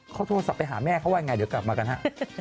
ขอโทษสับไปหาแม่เขาว่าอย่างไรเดี๋ยวกลับมากันฮะ